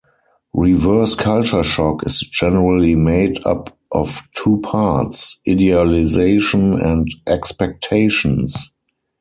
Reverse culture shock is generally made up of two parts: idealization and expectations.